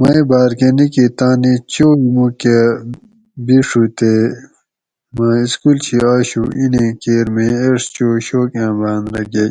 مئ باۤر کہۤ نِکی تانی چوئ مُوکہ بِڛُو تے مہ اِسکول شی آشو اِیں نیں کیر میں ایڄ چو شوکاۤں باۤن رہ گیئ